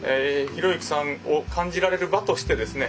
啓之さんを感じられる場としてですね